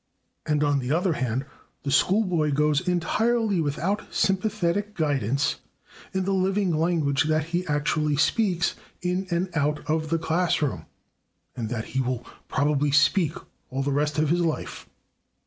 " And on the other hand, the school boy goes entirely without sympathetic guidance in the living language that he actually speaks, in and out of the classroom, and that he will probably speak all the rest of his life.